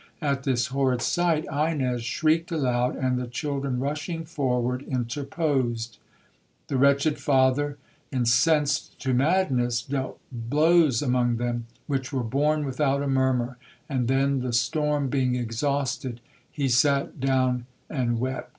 At this horrid sight, Ines shrieked aloud, and the children, rushing forward, interposed. The wretched father, incensed to madness, dealt blows among them, which were borne without a murmur; and then, the storm being exhausted, he sat down and wept.